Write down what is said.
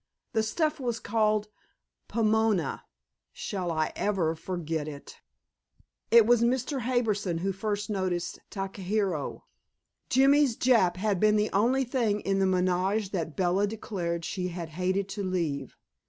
The stuff was called Pomona; shall I ever forget it? It was Mr. Harbison who first noticed Takahiro. Jimmy's Jap had been the only thing in the menage that Bella declared she had hated to leave.